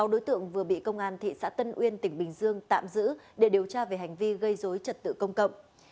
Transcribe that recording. sáu đối tượng vừa bị công an thị xã tân uyên tỉnh bình dương tạm giữ để điều tra về hành vi gây dối trật tự công cộng